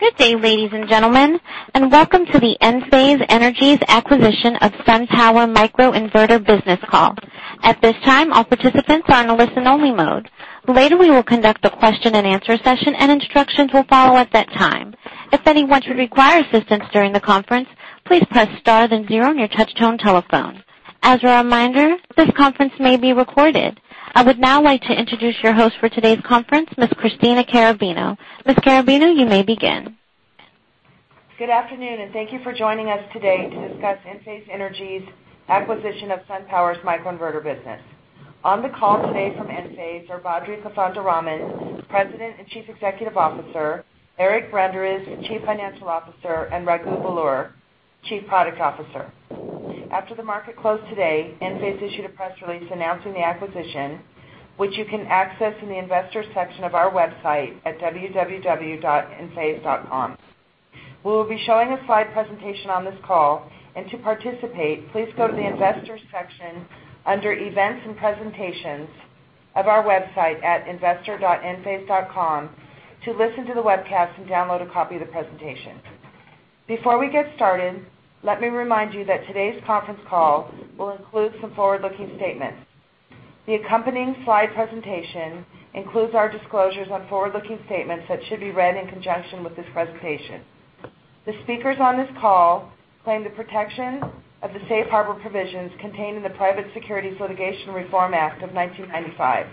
Good day, ladies and gentlemen, and welcome to the Enphase Energy's acquisition of SunPower microinverter business call. At this time, all participants are on a listen-only mode. Later, we will conduct a question and answer session, and instructions will follow at that time. If anyone should require assistance during the conference, please press star then zero on your touch-tone telephone. As a reminder, this conference may be recorded. I would now like to introduce your host for today's conference, Ms. Christina Carabino. Ms. Carabino, you may begin. Good afternoon. Thank you for joining us today to discuss Enphase Energy's acquisition of SunPower's microinverter business. On the call today from Enphase are Badri Kothandaraman, President and Chief Executive Officer, Eric Branderiz, Chief Financial Officer, and Raghu Belur, Chief Products Officer. After the market closed today, Enphase issued a press release announcing the acquisition, which you can access in the investors section of our website at www.enphase.com. We will be showing a slide presentation on this call, and to participate, please go to the investors section under Events and Presentations of our website at investor.enphase.com to listen to the webcast and download a copy of the presentation. Before we get started, let me remind you that today's conference call will include some forward-looking statements. The accompanying slide presentation includes our disclosures on forward-looking statements that should be read in conjunction with this presentation. The speakers on this call claim the protection of the safe harbor provisions contained in the Private Securities Litigation Reform Act of 1995.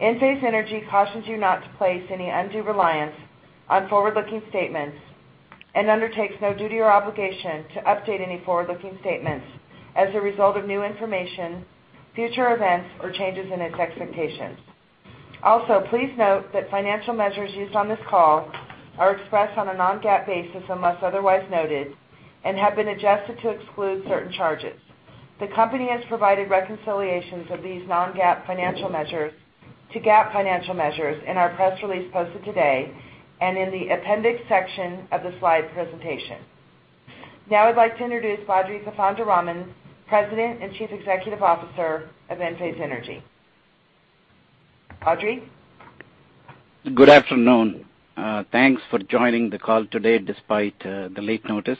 Enphase Energy cautions you not to place any undue reliance on forward-looking statements and undertakes no duty or obligation to update any forward-looking statements as a result of new information, future events, or changes in its expectations. Please note that financial measures used on this call are expressed on a non-GAAP basis unless otherwise noted and have been adjusted to exclude certain charges. The company has provided reconciliations of these non-GAAP financial measures to GAAP financial measures in our press release posted today and in the appendix section of the slide presentation. I'd like to introduce Badri Kothandaraman, President and Chief Executive Officer of Enphase Energy. Badri. Good afternoon. Thanks for joining the call today despite the late notice.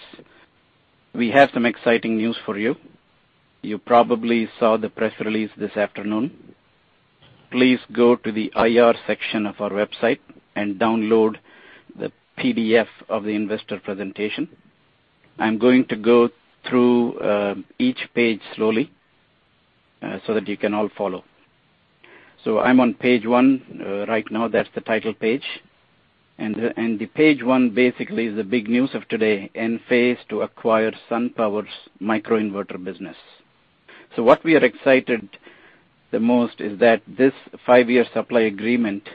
We have some exciting news for you. You probably saw the press release this afternoon. Please go to the IR section of our website and download the PDF of the investor presentation. I'm going to go through each page slowly so that you can all follow. I'm on page one right now. That's the title page. The page one basically is the big news of today, Enphase to acquire SunPower's microinverter business. What we are excited the most is that this five-year supply agreement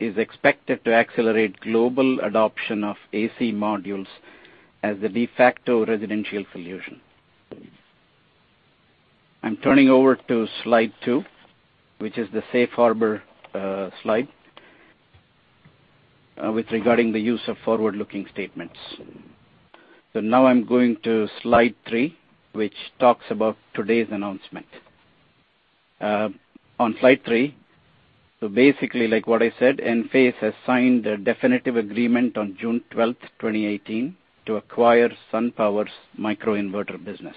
is expected to accelerate global adoption of AC modules as the de facto residential solution. I'm turning over to slide two, which is the safe harbor slide regarding the use of forward-looking statements. Now I'm going to slide three, which talks about today's announcement. On slide three, Enphase has signed a definitive agreement on June 12th, 2018, to acquire SunPower's microinverter business.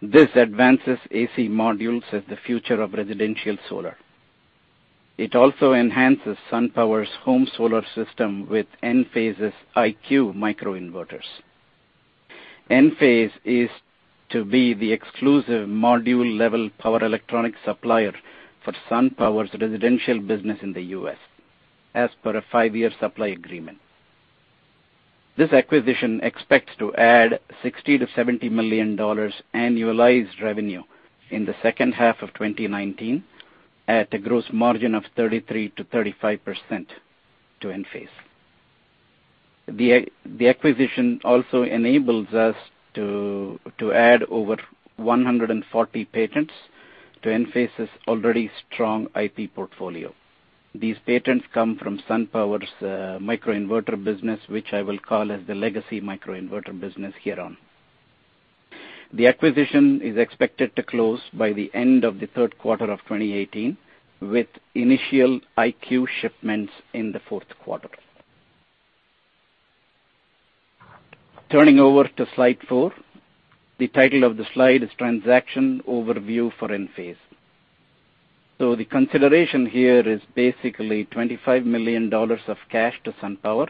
This advances AC modules as the future of residential solar. It also enhances SunPower's home solar system with Enphase's IQ microinverters. Enphase is to be the exclusive module-level power electronic supplier for SunPower's residential business in the U.S. as per a five-year supply agreement. This acquisition expects to add $60 million-$70 million annualized revenue in the second half of 2019 at a gross margin of 33%-35% to Enphase. The acquisition also enables us to add over 140 patents to Enphase's already strong IP portfolio. These patents come from SunPower's microinverter business, which I will call as the legacy microinverter business here on. The acquisition is expected to close by the end of the third quarter of 2018, with initial IQ shipments in the fourth quarter. Slide four, the title of the slide is Transaction Overview for Enphase. The consideration here is $25 million of cash to SunPower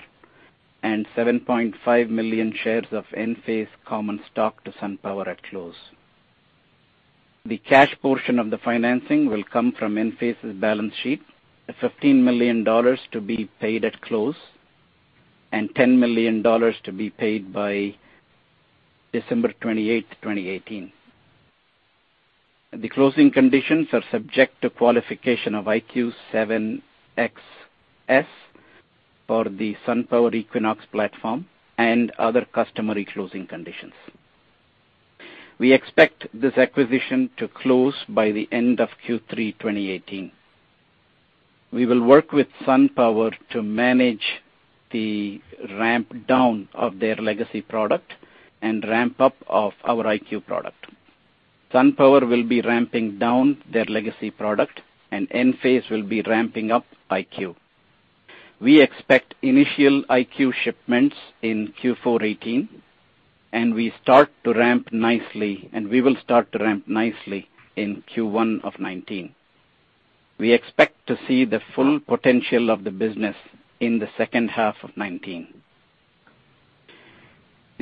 and 7.5 million shares of Enphase common stock to SunPower at close. The cash portion of the financing will come from Enphase's balance sheet, at $15 million to be paid at close and $10 million to be paid by December 28th, 2018. The closing conditions are subject to qualification of IQ7XS for the SunPower Equinox platform and other customary closing conditions. We expect this acquisition to close by the end of Q3 2018. We will work with SunPower to manage the ramp down of their legacy product and ramp up of our IQ product. SunPower will be ramping down their legacy product, and Enphase will be ramping up IQ. We expect initial IQ shipments in Q4 2018, and we will start to ramp nicely in Q1 2019. We expect to see the full potential of the business in the second half of 2019.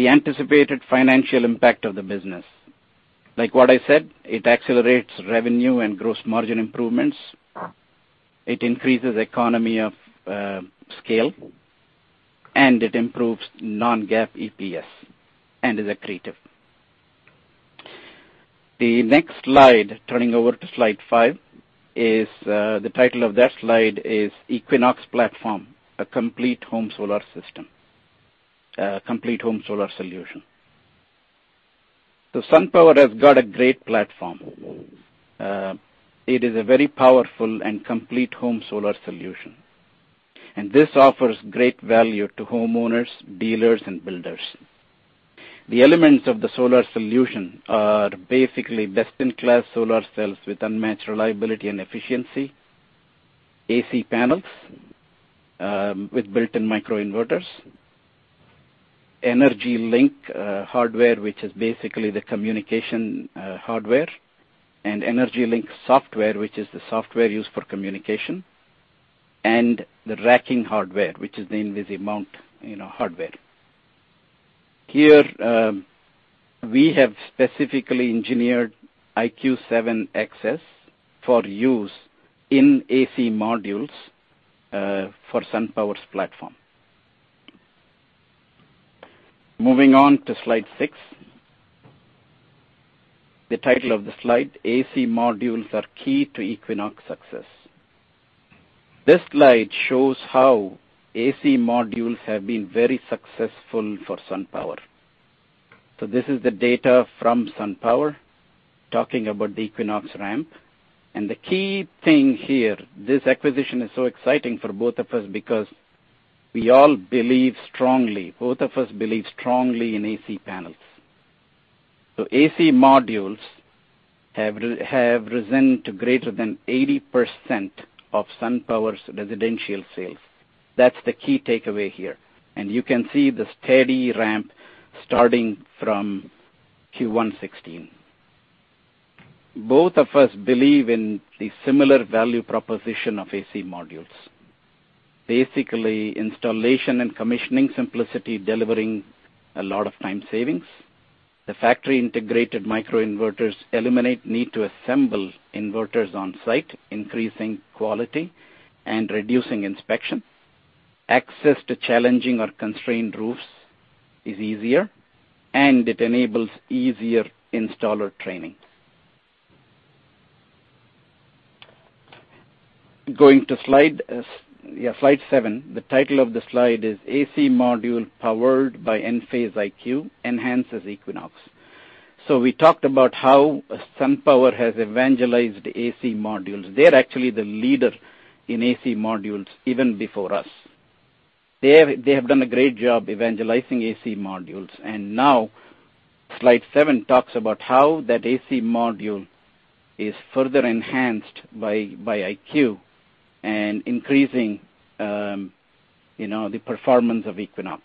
The anticipated financial impact of the business. It accelerates revenue and gross margin improvements, it increases economy of scale, and it improves non-GAAP EPS and is accretive. The next slide five. The title of that slide is Equinox Platform: A Complete Home Solar Solution. SunPower has got a great platform. It is a very powerful and complete home solar solution, and this offers great value to homeowners, dealers, and builders. The elements of the solar solution are best-in-class solar cells with unmatched reliability and efficiency, AC modules with built-in microinverters, Enlighten hardware, which is the communication hardware, and Enlighten software, which is the software used for communication, and the racking hardware, which is the InvisiMount hardware. Here, we have specifically engineered IQ7XS for use in AC modules for SunPower's platform. Slide six. The title of the slide, AC Modules are Key to Equinox Success. This slide shows how AC modules have been very successful for SunPower. This is the data from SunPower talking about the Equinox ramp. The key thing here, this acquisition is so exciting for both of us because both of us believe strongly in AC modules. AC modules have risen to greater than 80% of SunPower's residential sales. That's the key takeaway here. You can see the steady ramp starting from Q1 2016. Both of us believe in the similar value proposition of AC modules. Basically, installation and commissioning simplicity delivering a lot of time savings. The factory-integrated microinverters eliminate need to assemble inverters on-site, increasing quality and reducing inspection. Access to challenging or constrained roofs is easier, and it enables easier installer training. Going to slide seven. The title of the slide is AC Module Powered by Enphase IQ Enhances Equinox. We talked about how SunPower has evangelized AC modules. They are actually the leader in AC modules even before us. They have done a great job evangelizing AC modules, and now slide seven talks about how that AC module is further enhanced by IQ and increasing the performance of Equinox.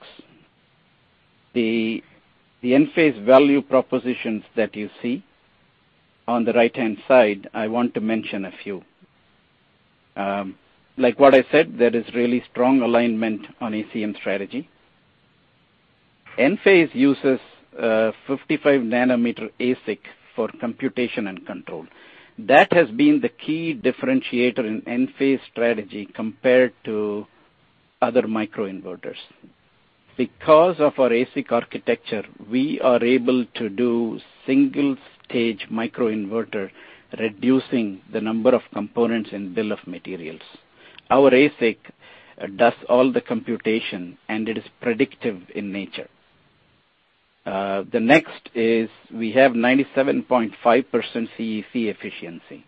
The Enphase value propositions that you see on the right-hand side, I want to mention a few. Like what I said, there is really strong alignment on ACM strategy. Enphase uses a 55-nanometer ASIC for computation and control. That has been the key differentiator in Enphase strategy compared to other microinverters. Because of our ASIC architecture, we are able to do single-stage microinverter, reducing the number of components in bill of materials. Our ASIC does all the computation, and it is predictive in nature. The next is we have 97.5% CEC efficiency.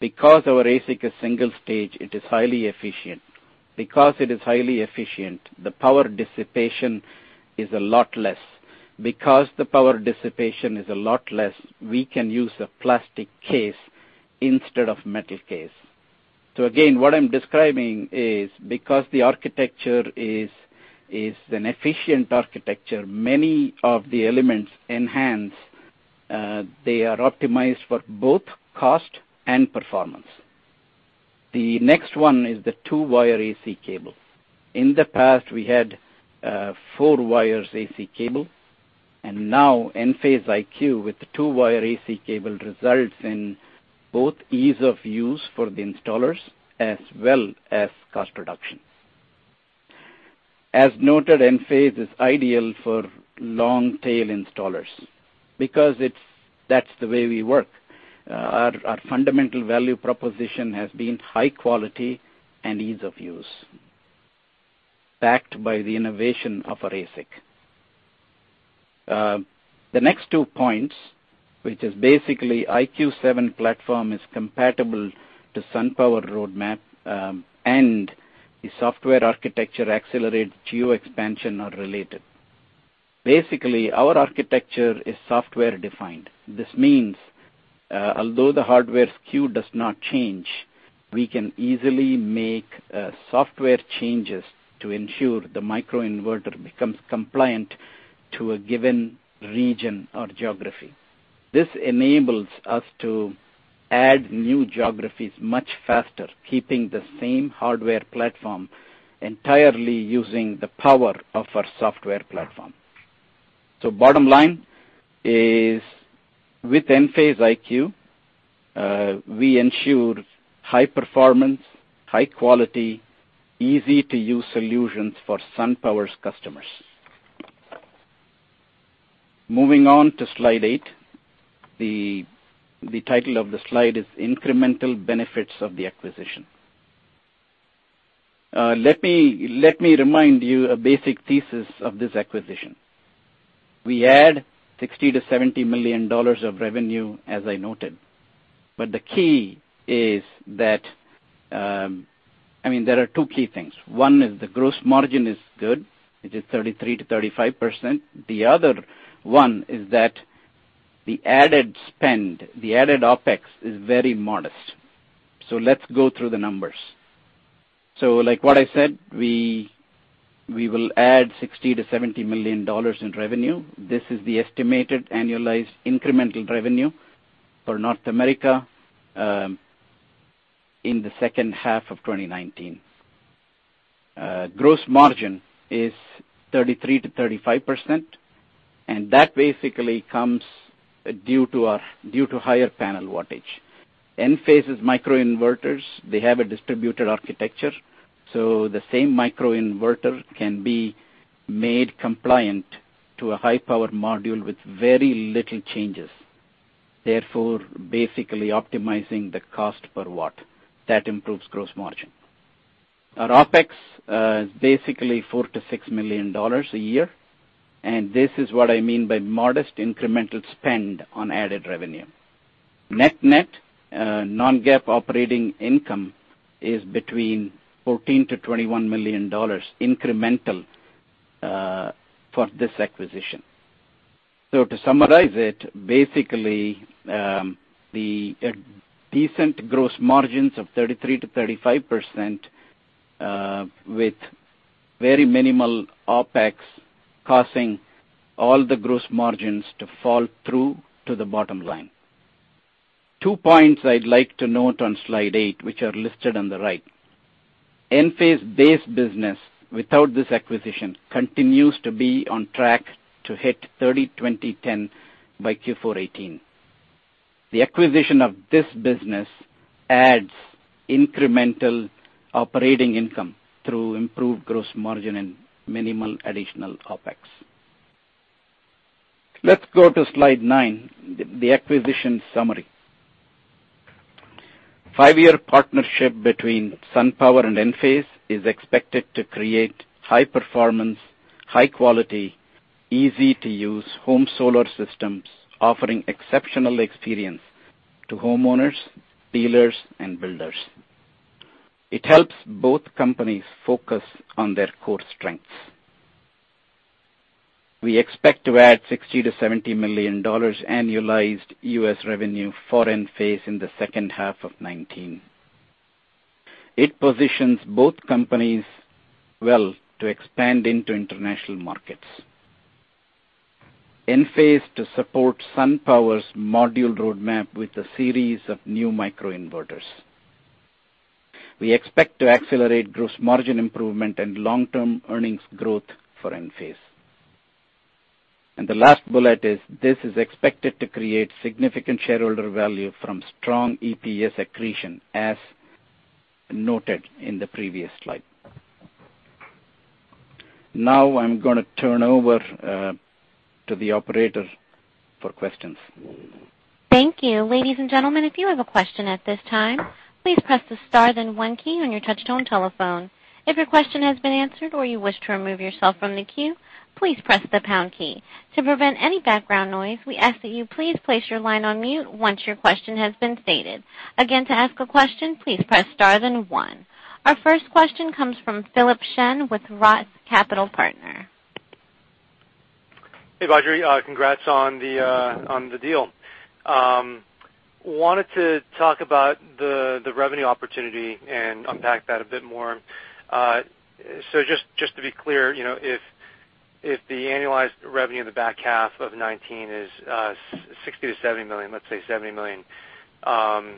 Because our ASIC is single-stage, it is highly efficient. Because it is highly efficient, the power dissipation is a lot less. Because the power dissipation is a lot less, we can use a plastic case instead of metal case. Again, what I am describing is because the architecture is an efficient architecture, many of the elements enhance, they are optimized for both cost and performance. The next one is the two-wire AC cable. In the past, we had a four-wires AC cable, and now Enphase IQ with the two-wire AC cable results in both ease of use for the installers as well as cost reduction. As noted, Enphase is ideal for long-tail installers because that is the way we work. Our fundamental value proposition has been high quality and ease of use, backed by the innovation of our ASIC. The next two points, which is basically IQ7 platform is compatible to SunPower roadmap. The software architecture accelerates geo expansion are related. Basically, our architecture is software defined. This means, although the hardware SKU does not change, we can easily make software changes to ensure the microinverter becomes compliant to a given region or geography. This enables us to add new geographies much faster, keeping the same hardware platform entirely using the power of our software platform. Bottom line is with Enphase IQ, we ensure high performance, high quality, easy-to-use solutions for SunPower's customers. Moving on to slide eight. The title of the slide is Incremental Benefits of the Acquisition. Let me remind you a basic thesis of this acquisition. We add $60 million-$70 million of revenue, as I noted. There are two key things. One is the gross margin is good. It is 33%-35%. The other one is that the added spend, the added OpEx, is very modest. Let us go through the numbers. Like what I said, we will add $60 million-$70 million in revenue. This is the estimated annualized incremental revenue for North America in the second half of 2019. Gross margin is 33%-35%, and that basically comes due to higher panel wattage. Enphase's microinverters, they have a distributed architecture, the same microinverter can be made compliant to a high-powered module with very little changes, therefore, basically optimizing the cost per watt. That improves gross margin. Our OpEx, basically $4 million-$6 million a year, this is what I mean by modest incremental spend on added revenue. Net net non-GAAP operating income is between $14 million-$21 million incremental for this acquisition. To summarize it, basically, the decent gross margins of 33%-35% with very minimal OpEx causing all the gross margins to fall through to the bottom line. Two points I'd like to note on slide eight, which are listed on the right. Enphase base business, without this acquisition, continues to be on track to hit 30 20 10 by Q4 2018. The acquisition of this business adds incremental operating income through improved gross margin and minimal additional OpEx. Let's go to slide nine, the acquisition summary. Five-year partnership between SunPower and Enphase is expected to create high performance, high quality, easy-to-use home solar systems offering exceptional experience to homeowners, dealers, and builders. It helps both companies focus on their core strengths. We expect to add $60 million-$70 million annualized U.S. revenue for Enphase in the second half of 2019. It positions both companies well to expand into international markets. Enphase to support SunPower's module roadmap with a series of new microinverters. We expect to accelerate gross margin improvement and long-term earnings growth for Enphase. The last bullet is, this is expected to create significant shareholder value from strong EPS accretion, as noted in the previous slide. Now I'm going to turn over to the operator for questions. Thank you. Ladies and gentlemen, if you have a question at this time, please press the star then one key on your touchtone telephone. If your question has been answered or you wish to remove yourself from the queue, please press the pound key. To prevent any background noise, we ask that you please place your line on mute once your question has been stated. Again, to ask a question, please press star then one. Our first question comes from Philip Shen with ROTH Capital Partners. Hey, Badri. Congrats on the deal. Wanted to talk about the revenue opportunity and unpack that a bit more. Just to be clear, if the annualized revenue in the back half of 2019 is $60 million-$70 million, let's say $70 million, I'm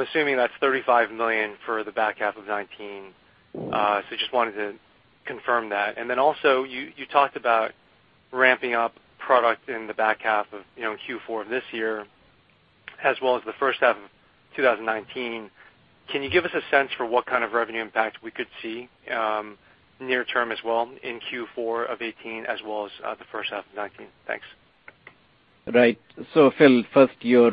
assuming that's $35 million for the back half of 2019. Just wanted to confirm that. Then also, you talked about ramping up product in the back half of Q4 of this year as well as the first half of 2019. Can you give us a sense for what kind of revenue impact we could see near term as well in Q4 of 2018 as well as the first half of 2019? Thanks. Right. Phil, first, your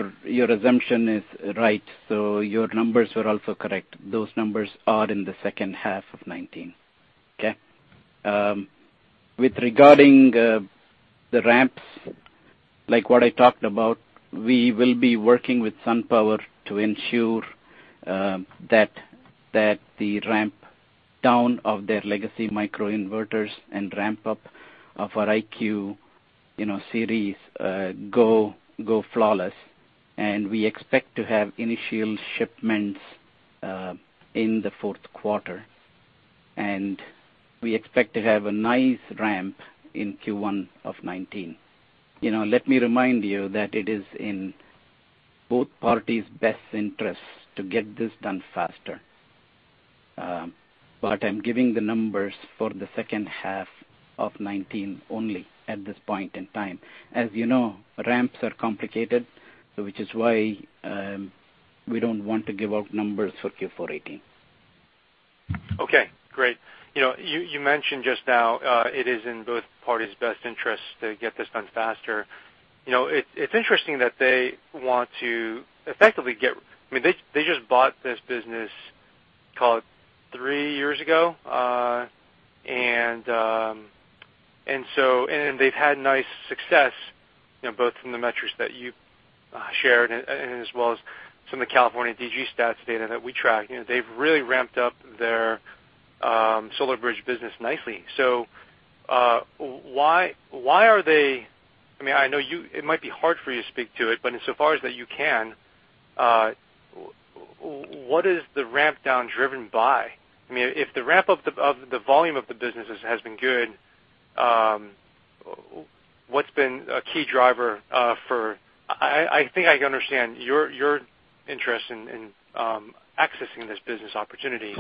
assumption is right, your numbers are also correct. Those numbers are in the second half of 2019. Okay. Regarding the ramps. Like what I talked about, we will be working with SunPower to ensure that the ramp down of their legacy microinverters and ramp up of our IQ series go flawless. We expect to have initial shipments in the fourth quarter. We expect to have a nice ramp in Q1 of 2019. Let me remind you that it is in both parties' best interests to get this done faster. I'm giving the numbers for the second half of 2019 only at this point in time. As you know, ramps are complicated, which is why we don't want to give out numbers for Q4 2018. Okay, great. You mentioned just now, it is in both parties' best interests to get this done faster. It's interesting that they want to effectively. They just bought this business, call it three years ago. They've had nice success, both from the metrics that you shared and as well as some of the California DG Stats data that we track. They've really ramped up their SolarBridge business nicely. Why are they, I know it might be hard for you to speak to it, but insofar as that you can, what is the ramp down driven by? If the ramp up of the volume of the business has been good, what's been a key driver. I think I can understand your interest in accessing this business opportunity.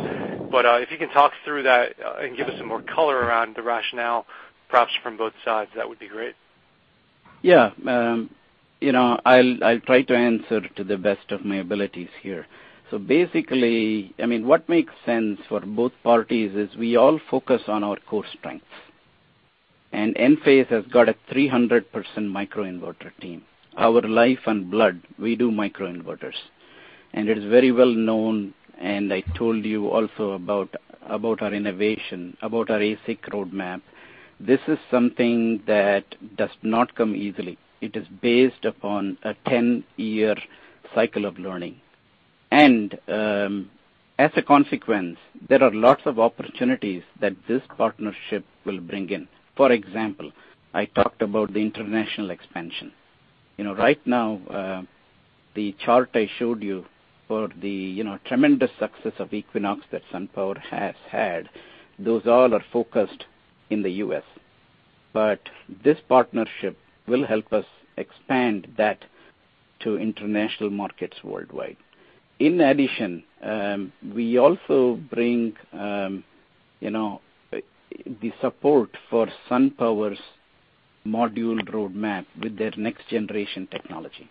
If you can talk through that and give us some more color around the rationale, perhaps from both sides, that would be great. Yeah. I'll try to answer to the best of my abilities here. Basically, what makes sense for both parties is we all focus on our core strengths. Enphase has got a 300% microinverter team. Our life and blood, we do microinverters. It is very well known, and I told you also about our innovation, about our ASIC roadmap. This is something that does not come easily. It is based upon a 10-year cycle of learning. As a consequence, there are lots of opportunities that this partnership will bring in. For example, I talked about the international expansion. Right now, the chart I showed you for the tremendous success of Equinox that SunPower has had, those all are focused in the U.S. This partnership will help us expand that to international markets worldwide. In addition, we also bring the support for SunPower's module roadmap with their next generation technology.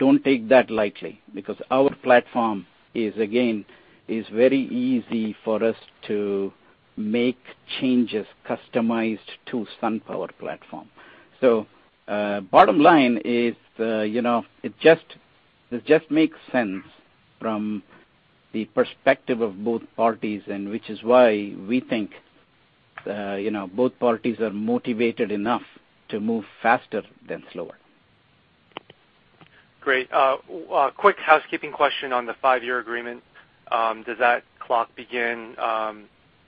Don't take that lightly, because our platform, again, is very easy for us to make changes customized to SunPower platform. Bottom line is, it just makes sense from the perspective of both parties, and which is why we think both parties are motivated enough to move faster than slower. Great. A quick housekeeping question on the five-year agreement. Does that clock begin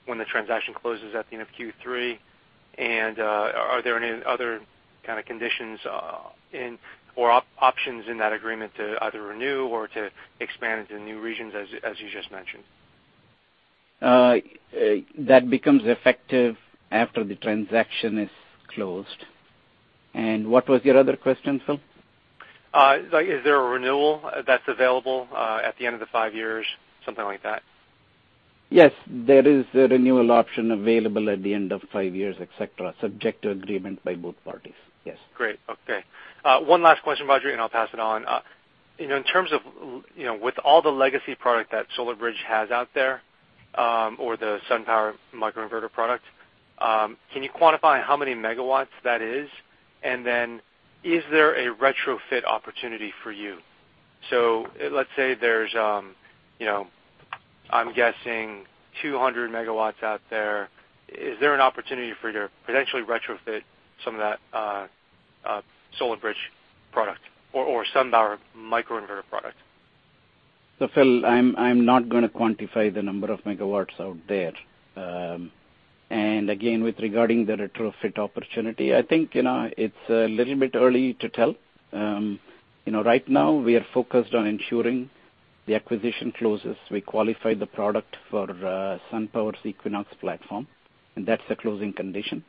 when the transaction closes at the end of Q3? Are there any other kind of conditions or options in that agreement to either renew or to expand into new regions, as you just mentioned? That becomes effective after the transaction is closed. What was your other question, Phil? Is there a renewal that's available at the end of the five years, something like that? Yes, there is a renewal option available at the end of five years, et cetera, subject to agreement by both parties. Yes. Great. Okay. One last question, Badri, and I'll pass it on. In terms of with all the legacy product that SolarBridge has out there, or the SunPower microinverter product, can you quantify how many megawatts that is? And then is there a retrofit opportunity for you? Let's say there's, I'm guessing 200 megawatts out there. Is there an opportunity for you to potentially retrofit some of that SolarBridge product or SunPower microinverter product? Phil, I'm not going to quantify the number of megawatts out there. Again, with regarding the retrofit opportunity, I think, it's a little bit early to tell. Right now, we are focused on ensuring the acquisition closes. We qualify the product for SunPower's Equinox platform, and that's a closing condition.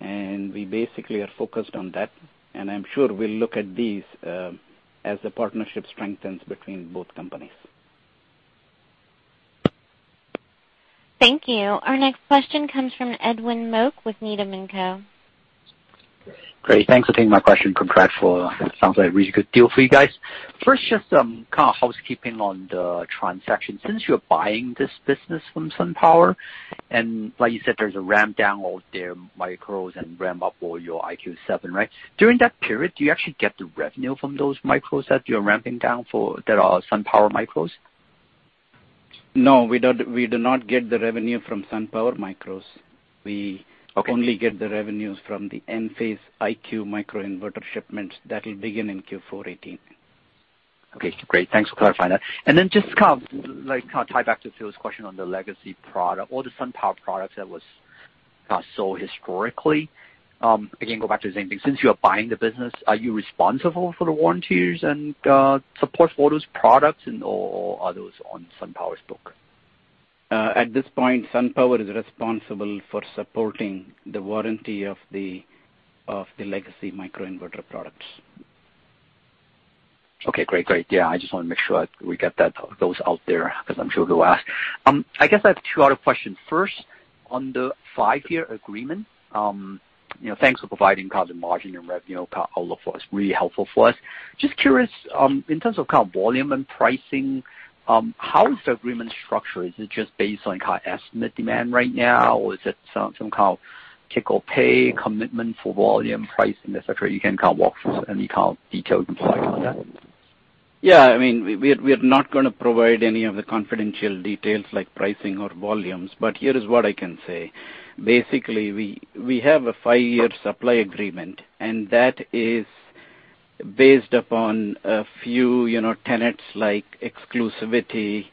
We basically are focused on that. I'm sure we'll look at these as the partnership strengthens between both companies. Thank you. Our next question comes from Edwin Mok with Needham & Company. Great. Thanks for taking my question. Congrats, it sounds like a really good deal for you guys. First, just kind of housekeeping on the transaction. Since you're buying this business from SunPower, and like you said, there's a ramp down all their micros and ramp up all your IQ7, right? During that period, do you actually get the revenue from those micros that you're ramping down that are SunPower micros? No, we do not get the revenue from SunPower micros. Okay. We only get the revenues from the Enphase IQ microinverter shipments that will begin in Q4 2018. Okay, great. Thanks for clarifying that. Then just to tie back to Phil's question on the legacy product or the SunPower products that was sold historically. Again, go back to the same thing. Since you are buying the business, are you responsible for the warranties and support for those products, or are those on SunPower's book? At this point, SunPower is responsible for supporting the warranty of the legacy microinverter products. Okay, great. Yeah, I just want to make sure we get those out there, because I'm sure they'll ask. I guess I have two other questions. First, on the five-year agreement. Thanks for providing the margin and revenue outlook for us. Really helpful for us. Just curious, in terms of volume and pricing, how is the agreement structured? Is it just based on estimate demand right now, or is it some kind of take-or-pay commitment for volume, pricing, et cetera? You can walk through any kind of details you'd like on that? Yeah. We're not going to provide any of the confidential details like pricing or volumes. Here is what I can say. Basically, we have a five-year supply agreement, that is based upon a few tenets like exclusivity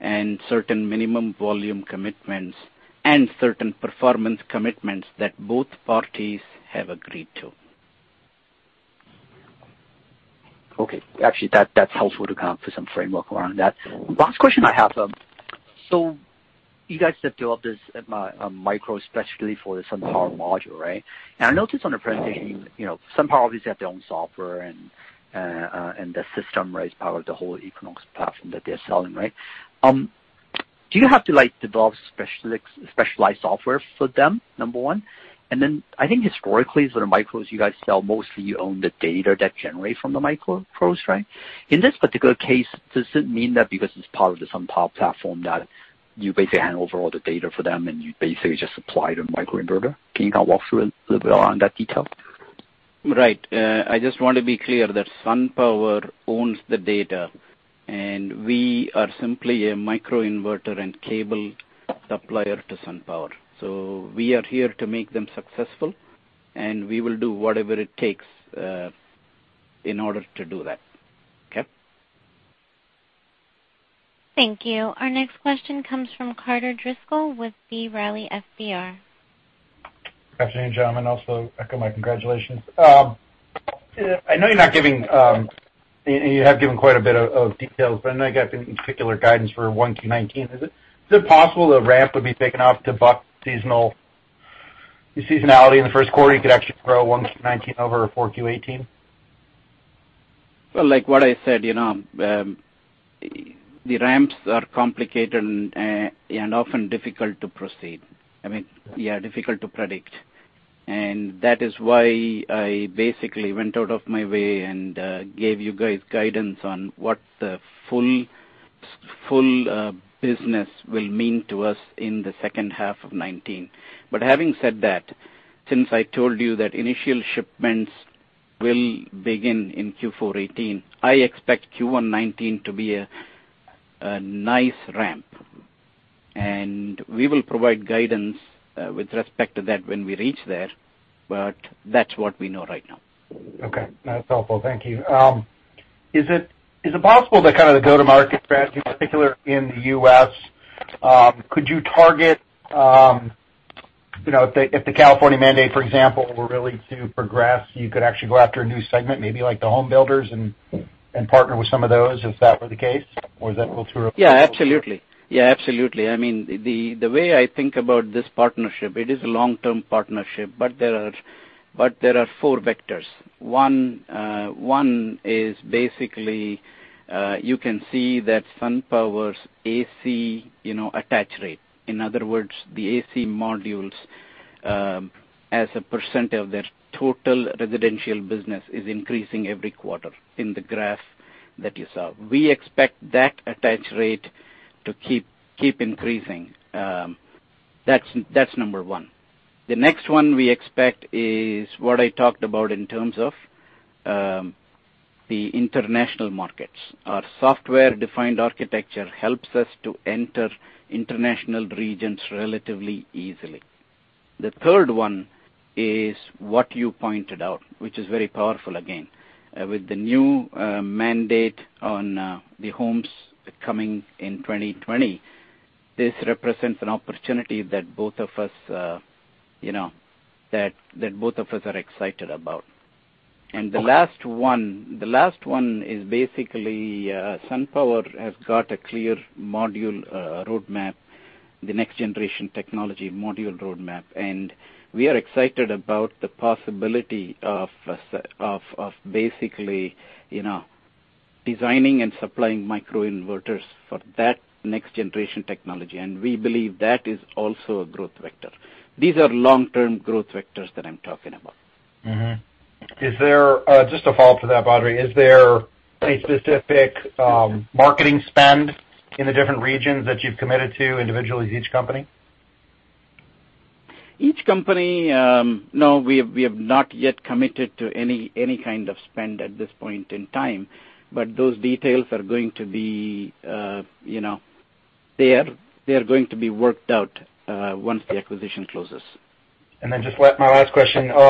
and certain minimum volume commitments and certain performance commitments that both parties have agreed to. Okay. Actually, that's helpful to account for some framework around that. Last question I have. You guys have developed this micro, especially for the SunPower module, right? I noticed on the presentation, SunPower obviously have their own software and their system is part of the whole Equinox platform that they're selling, right? Do you have to develop specialized software for them, number one? I think historically, the micros you guys sell, mostly you own the data that generate from the micros, right? In this particular case, does it mean that because it's part of the SunPower platform, that you basically hand over all the data for them and you basically just supply the microinverter? Can you walk through a little bit around that detail? Right. I just want to be clear that SunPower owns the data, and we are simply a microinverter and cable supplier to SunPower. We are here to make them successful, and we will do whatever it takes in order to do that. Okay? Thank you. Our next question comes from Carter Driscoll with B. Riley FBR. Good afternoon, gentlemen. Also echo my congratulations. I know you have given quite a bit of details. I know you got particular guidance for 1Q 2019. Is it possible the ramp would be taken off to buck seasonality in the first quarter? You could actually grow 1Q 2019 over 4Q 2018? Well, like what I said, the ramps are complicated and often difficult to proceed. I mean, yeah, difficult to predict. That is why I basically went out of my way and gave you guys guidance on what the full business will mean to us in the second half of 2019. Having said that, since I told you that initial shipments will begin in Q4 2018, I expect Q1 2019 to be a nice ramp. We will provide guidance with respect to that when we reach there, but that's what we know right now. Okay. That's helpful. Thank you. Is it possible to go-to-market strategy, particularly in the U.S.? Could you target, if the California mandate, for example, were really to progress, you could actually go after a new segment, maybe like the home builders and partner with some of those, if that were the case? Or is that cultural- Yeah, absolutely. The way I think about this partnership, it is a long-term partnership. There are four vectors. One is basically, you can see that SunPower's AC attach rate. In other words, the AC modules, as a % of their total residential business, is increasing every quarter in the graph that you saw. We expect that attach rate to keep increasing. That's number one. The next one we expect is what I talked about in terms of the international markets. Our software-defined architecture helps us to enter international regions relatively easily. The third one is what you pointed out, which is very powerful again. With the new mandate on the homes coming in 2020, this represents an opportunity that both of us are excited about. The last one is basically, SunPower has got a clear module roadmap, the next generation technology module roadmap. We are excited about the possibility of basically designing and supplying microinverters for that next generation technology, and we believe that is also a growth vector. These are long-term growth vectors that I'm talking about. Just a follow-up to that, Badri. Is there a specific marketing spend in the different regions that you've committed to individually as each company? Each company, no, we have not yet committed to any kind of spend at this point in time, but those details, they are going to be worked out once the acquisition closes. Just my last question, is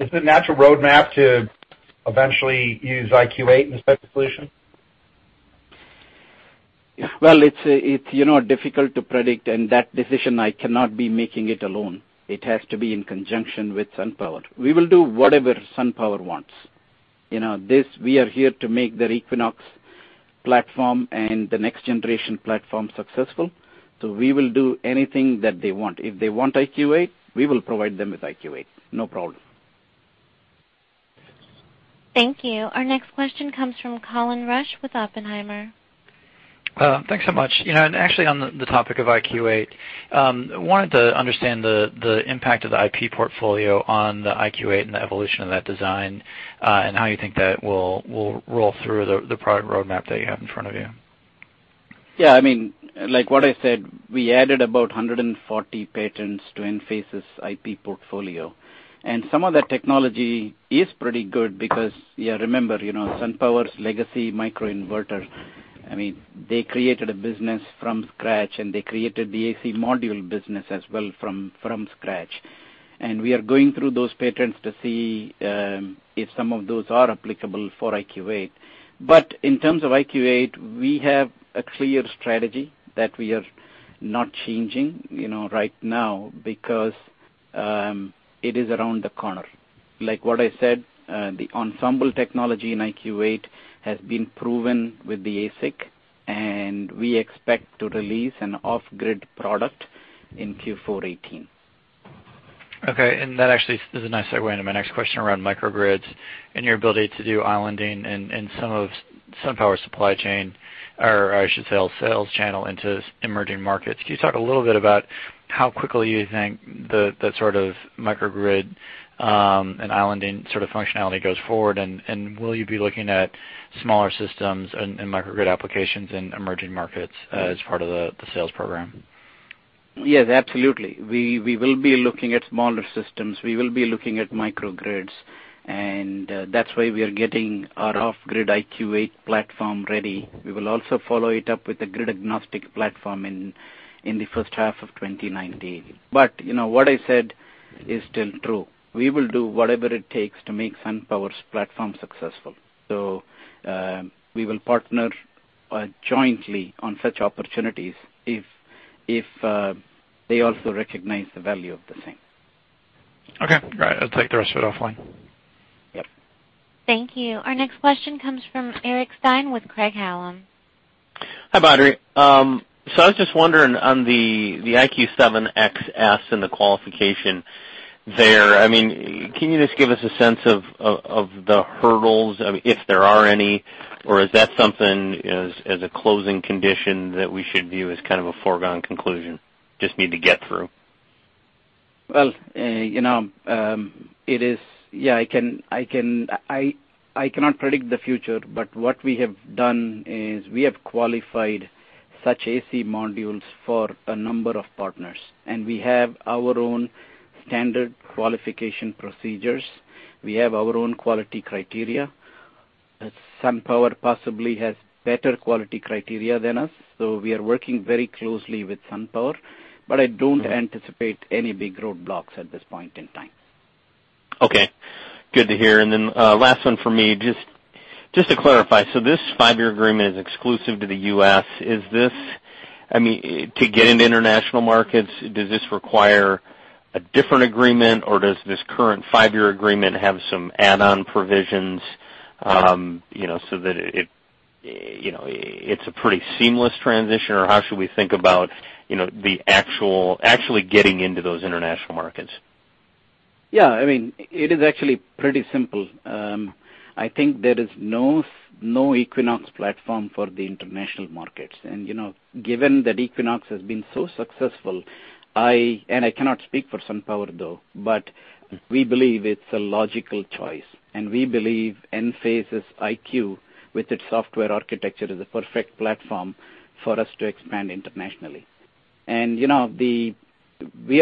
it a natural roadmap to eventually use IQ8 in this type of solution? Well, it's difficult to predict, and that decision, I cannot be making it alone. It has to be in conjunction with SunPower. We will do whatever SunPower wants. We are here to make their Equinox platform and the next generation platform successful. We will do anything that they want. If they want IQ8, we will provide them with IQ8. No problem. Thank you. Our next question comes from Colin Rusch with Oppenheimer. Actually, on the topic of IQ8, I wanted to understand the impact of the IP portfolio on the IQ8 and the evolution of that design, and how you think that will roll through the product roadmap that you have in front of you. Yeah. Like what I said, we added about 140 patents to Enphase's IP portfolio. Some of that technology is pretty good because, remember, SunPower's legacy microinverter, they created a business from scratch, and they created the AC module business as well from scratch. We are going through those patents to see if some of those are applicable for IQ8. In terms of IQ8, we have a clear strategy that we are not changing right now, because it is around the corner. Like what I said, the Ensemble technology in IQ8 has been proven with the ASIC, and we expect to release an off-grid product in Q4 2018. Okay. That actually is a nice segue into my next question around microgrids and your ability to do islanding and some of SunPower's supply chain, or I should say, sales channel into emerging markets. Can you talk a little bit about how quickly you think the sort of microgrid, and islanding sort of functionality goes forward, and will you be looking at smaller systems and microgrid applications in emerging markets as part of the sales program? Yes, absolutely. We will be looking at smaller systems. We will be looking at microgrids, and that's why we are getting our off-grid IQ8 platform ready. We will also follow it up with a grid-agnostic platform in the first half of 2019. What I said is still true. We will do whatever it takes to make SunPower's platform successful. We will partner jointly on such opportunities if they also recognize the value of the same. Okay, great. I'll take the rest of it offline. Yep. Thank you. Our next question comes from Eric Stine with Craig-Hallum. Hi, Badri. I was just wondering on the IQ7XS and the qualification there, can you just give us a sense of the hurdles, if there are any, or is that something, as a closing condition, that we should view as kind of a foregone conclusion, just need to get through? Well, I cannot predict the future, but what we have done is we have qualified such AC modules for a number of partners, and we have our own standard qualification procedures. We have our own quality criteria. SunPower possibly has better quality criteria than us, so we are working very closely with SunPower, but I don't anticipate any big roadblocks at this point in time. Okay. Good to hear. Then, last one from me, just to clarify, so this five-year agreement is exclusive to the U.S. To get into international markets, does this require a different agreement, or does this current five-year agreement have some add-on provisions, so that it's a pretty seamless transition, or how should we think about actually getting into those international markets? Yeah. It is actually pretty simple. I think there is no Equinox platform for the international markets. Given that Equinox has been so successful, I cannot speak for SunPower, though, but we believe it's a logical choice. We believe Enphase's IQ, with its software architecture, is a perfect platform for us to expand internationally. We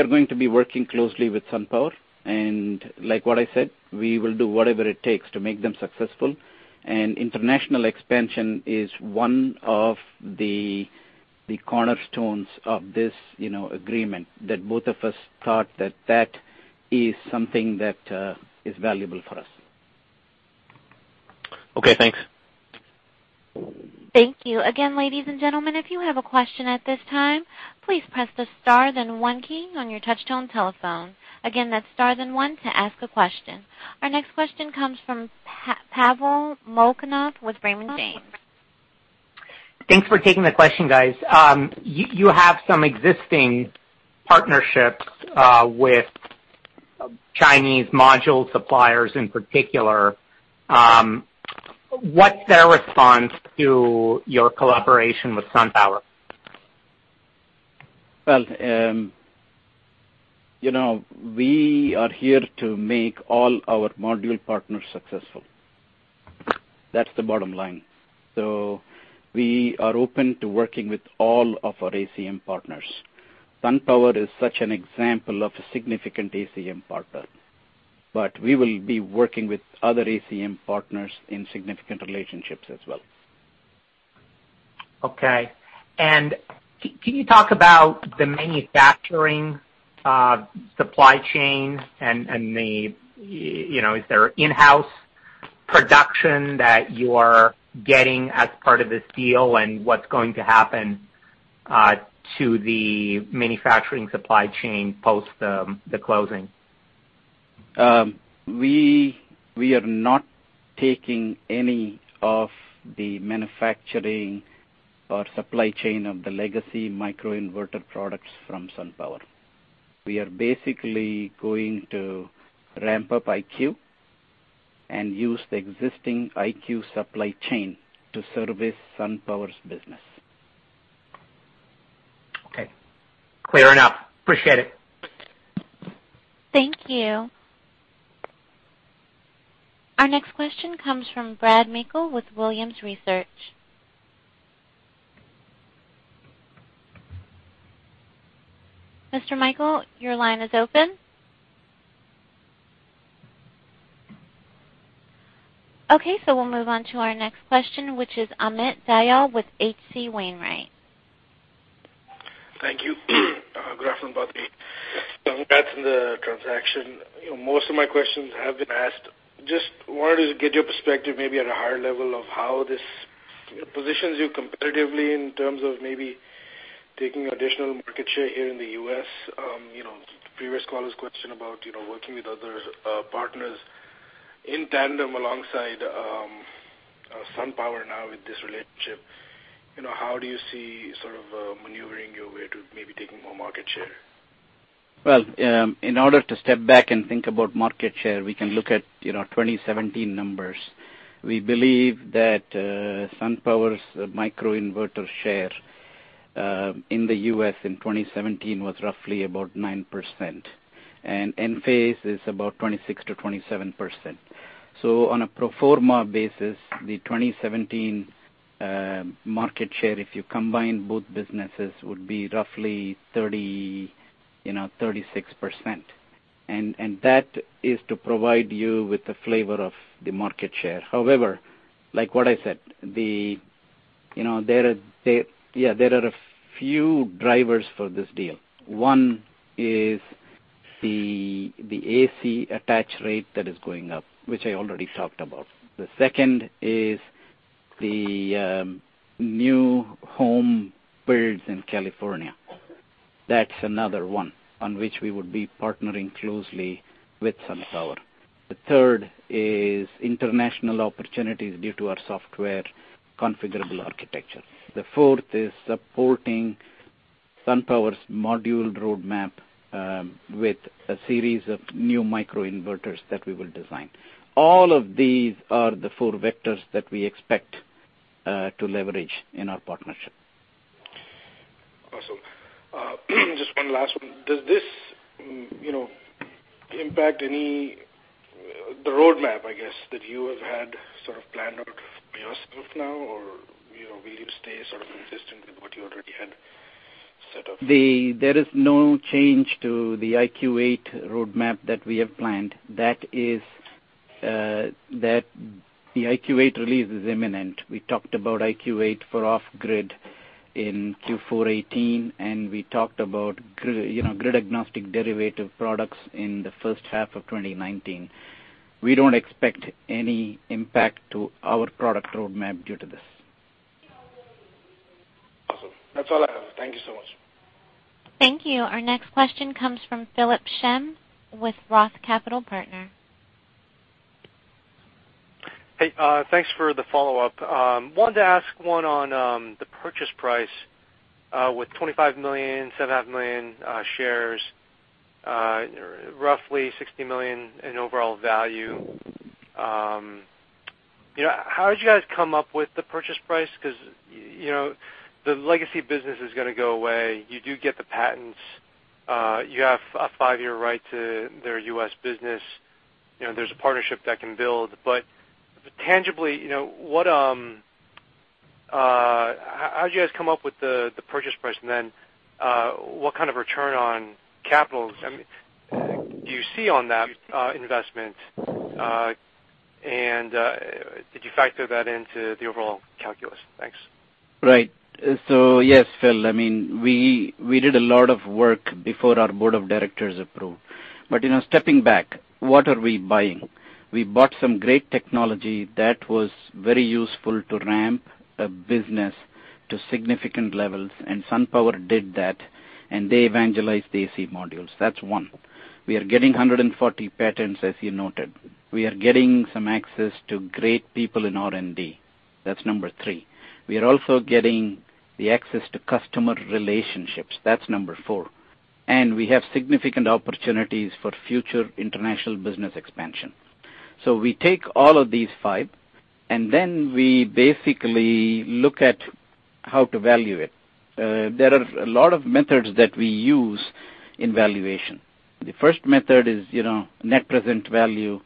are going to be working closely with SunPower, like what I said, we will do whatever it takes to make them successful. International expansion is one of the cornerstones of this agreement, that both of us thought that that is something that is valuable for us. Okay, thanks. Thank you. Again, ladies and gentlemen, if you have a question at this time, please press the star then one key on your touch-tone telephone. Again, that's star then one to ask a question. Our next question comes from Pavel Molchanov with Raymond James. Thanks for taking the question, guys. You have some existing partnerships with Chinese module suppliers in particular. What's their response to your collaboration with SunPower? We are here to make all our module partners successful. That's the bottom line. We are open to working with all of our ACM partners. SunPower is such an example of a significant ACM partner. We will be working with other ACM partners in significant relationships as well. Okay. Can you talk about the manufacturing supply chain and is there in-house production that you are getting as part of this deal? What's going to happen to the manufacturing supply chain post the closing? We are not taking any of the manufacturing or supply chain of the legacy microinverter products from SunPower. We are basically going to ramp up IQ and use the existing IQ supply chain to service SunPower's business. Okay. Clear enough. Appreciate it. Thank you. Our next question comes from Brad Williams with Williams Research. Mr. Williams, your line is open. We'll move on to our next question, which is Amit Dayal with H.C. Wainwright. Thank you. Good afternoon, Badri. Congrats on the transaction. Most of my questions have been asked. Just wanted to get your perspective, maybe at a higher level, of how this positions you competitively in terms of maybe taking additional market share here in the U.S. Previous caller's question about working with other partners in tandem alongside SunPower now with this relationship. How do you see sort of maneuvering your way to maybe taking more market share? In order to step back and think about market share, we can look at 2017 numbers. We believe that SunPower's microinverter share in the U.S. in 2017 was roughly about 9%, and Enphase is about 26%-27%. On a pro forma basis, the 2017 market share, if you combine both businesses, would be roughly 36%. That is to provide you with the flavor of the market share. However, like what I said, there are a few drivers for this deal. One is the AC attach rate that is going up, which I already talked about. The second is the new home builds in California. That's another one on which we would be partnering closely with SunPower. The third is international opportunities due to our software configurable architecture. The fourth is supporting SunPower's module roadmap with a series of new microinverters that we will design. All of these are the four vectors that we expect to leverage in our partnership. Awesome. Just one last one. Does this impact the roadmap, I guess, that you have had sort of planned out for yourself now, or will you stay sort of consistent with what you already had set up? There is no change to the IQ 8 roadmap that we have planned. The IQ 8 release is imminent. We talked about IQ 8 for off-grid in Q4 2018. We talked about grid-agnostic derivative products in the first half of 2019. We don't expect any impact to our product roadmap due to this. Awesome. That's all I have. Thank you so much. Thank you. Our next question comes from Philip Shen with ROTH Capital Partners. Hey, thanks for the follow-up. Wanted to ask one on the purchase price, with $25 million, 7.5 million shares, roughly $60 million in overall value. How did you guys come up with the purchase price? The legacy business is going to go away. You do get the patents. You have a five-year right to their U.S. business. There's a partnership that can build. Tangibly, how did you guys come up with the purchase price? What kind of return on capitals do you see on that investment? Did you factor that into the overall calculus? Thanks. Right. Yes, Phil, we did a lot of work before our board of directors approved. Stepping back, what are we buying? We bought some great technology that was very useful to ramp a business to significant levels, and SunPower did that, and they evangelized the AC modules. That's one. We are getting 140 patents, as you noted. We are getting some access to great people in R&D. That's number 3. We are also getting the access to customer relationships. That's number 4. We have significant opportunities for future international business expansion. We take all of these five, and then we basically look at how to value it. There are a lot of methods that we use in valuation. The first method is net present value.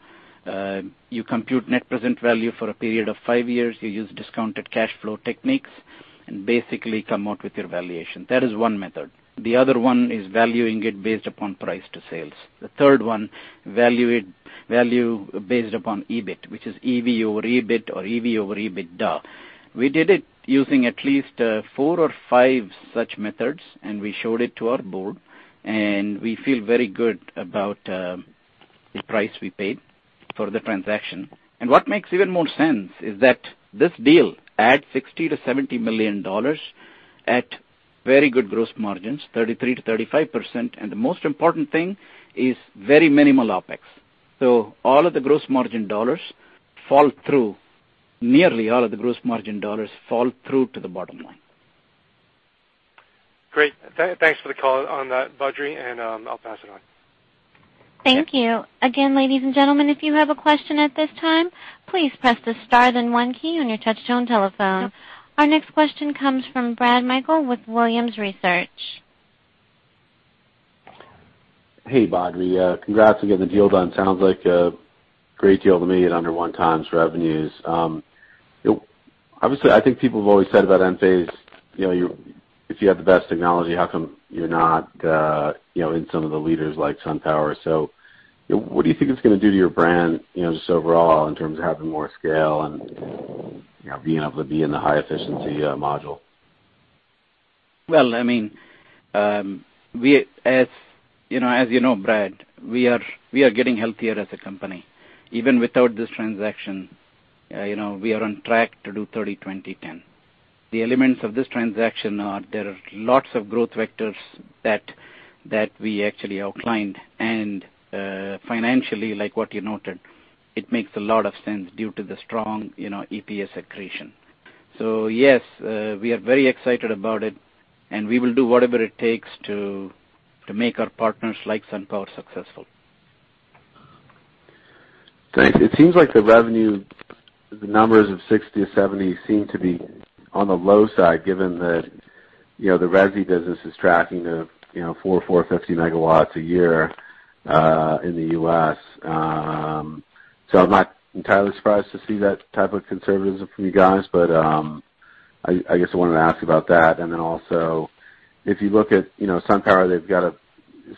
You compute net present value for a period of 5 years, you use discounted cash flow techniques, basically come out with your valuation. That is one method. The other one is valuing it based upon price to sales. The third one, value based upon EBIT, which is EB over EBIT or EB over EBITDA. We did it using at least four or five such methods, and we showed it to our board, and we feel very good about the price we paid for the transaction. What makes even more sense is that this deal adds $60 million to $70 million at very good gross margins, 33%-35%, and the most important thing is very minimal OpEx. Nearly all of the gross margin dollars fall through to the bottom line. Great. Thanks for the call on that, Badri, I'll pass it on. Thank you. Again, ladies and gentlemen, if you have a question at this time, please press the star then one key on your touchtone telephone. Our next question comes from Brad Williams with Williams Research. Hey, Badri. Congrats on getting the deal done. Sounds like a great deal to me at under one times revenues. Obviously, I think people have always said about Enphase, if you have the best technology, how come you're not in some of the leaders like SunPower? What do you think it's going to do to your brand, just overall, in terms of having more scale and being able to be in the high efficiency module? Well, as you know, Brad, we are getting healthier as a company. Even without this transaction, we are on track to do 30 20 10. The elements of this transaction are, there are lots of growth vectors that we actually outlined, and financially, like what you noted, it makes a lot of sense due to the strong EPS accretion. Yes, we are very excited about it, and we will do whatever it takes to make our partners, like SunPower, successful. Thanks. It seems like the revenue, the numbers of 60-70 seem to be on the low side, given that the resi business is tracking the 400 or 450 megawatts a year in the U.S. I'm not entirely surprised to see that type of conservatism from you guys. I guess I wanted to ask about that. Also, if you look at SunPower, they've got a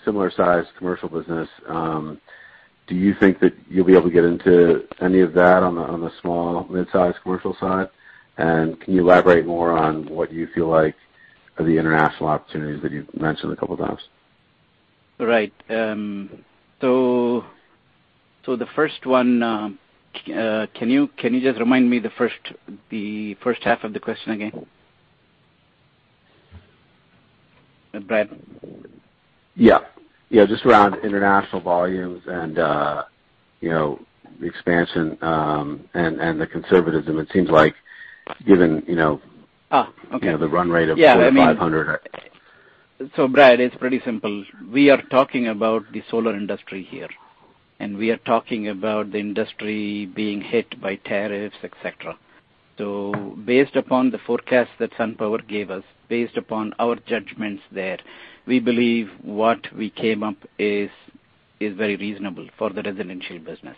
similar size commercial business. Do you think that you'll be able to get into any of that on the small, mid-size commercial side? Can you elaborate more on what you feel like are the international opportunities that you've mentioned a couple of times? Right. The first one, can you just remind me the first half of the question again? Brad. Yeah. Just around international volumes and the expansion, and the conservatism. Okay. The run rate of- Yeah 4,500. Brad, it's pretty simple. We are talking about the solar industry here, and we are talking about the industry being hit by tariffs, et cetera. Based upon the forecast that SunPower gave us, based upon our judgments there, we believe what we came up is very reasonable for the residential business.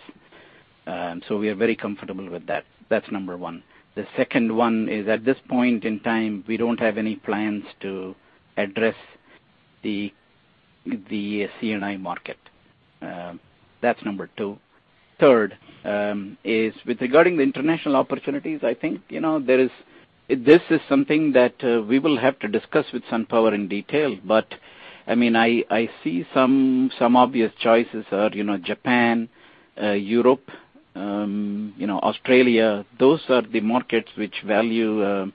We are very comfortable with that. That's number one. The second one is, at this point in time, we don't have any plans to address the C&I market. That's number two. Third is, with regarding the international opportunities, I think, this is something that we will have to discuss with SunPower in detail. I see some obvious choices are Japan, Europe, Australia. Those are the markets which value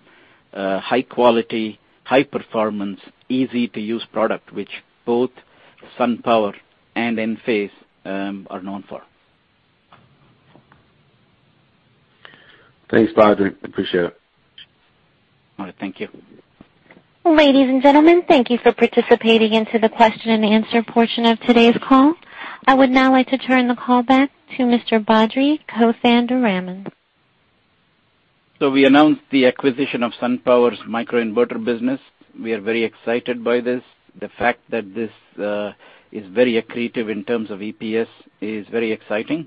high quality, high performance, easy-to-use product, which both SunPower and Enphase are known for. Thanks, Badri. Appreciate it. All right. Thank you. Ladies and gentlemen, thank you for participating in the question and answer portion of today's call. I would now like to turn the call back to Mr. Badri Kothandaraman. We announced the acquisition of SunPower's microinverter business. We are very excited by this. The fact that this is very accretive in terms of EPS is very exciting.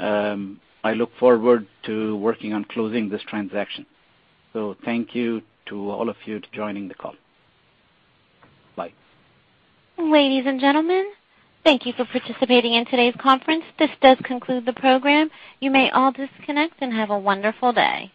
I look forward to working on closing this transaction. Thank you to all of you to joining the call. Bye. Ladies and gentlemen, thank you for participating in today's conference. This does conclude the program. You may all disconnect and have a wonderful day.